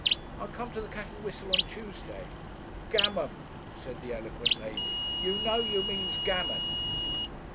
I'll come to the 'Cat and Whistle' on Tuesday.' 'Gammon!' said the eloquent lady. 'You know you means gammon.'